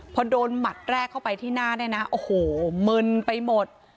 พอโดนหมัดแรกเข้าไปที่หน้าเนี่ยนะโอ้โหมึนไปหมด